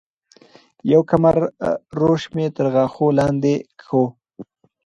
يو کمر روش مي تر غاښو لاندي کو